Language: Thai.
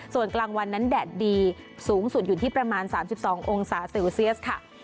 ส่วนกลางวันนั้นแดดดีสูงสุดอยู่ที่ประมาณ๓๒องศาเซลเซียสค่ะ